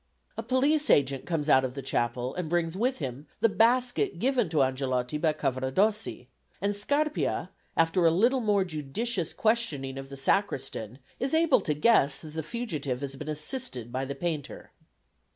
A police agent comes out of the chapel and brings with him the basket given to Angelotti by Cavaradossi; and Scarpia, after a little more judicious questioning of the Sacristan, is able to guess that the fugitive has been assisted by the painter.